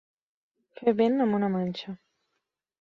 Fer vent amb una manxa.